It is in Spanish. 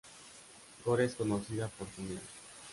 Gore es conocida por su miel.